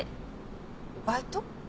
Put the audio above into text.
バイト？